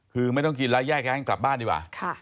คือไม่ต้องกินแล้วแยกย้ายกันกลับบ้านดีกว่า